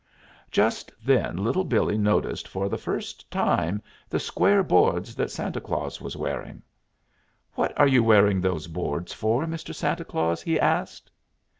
Just then Little Billee noticed for the first time the square boards that Santa Claus was wearing. "What are you wearing those boards for, Mr. Santa Claus?" he asked.